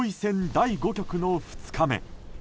第５局の２日目。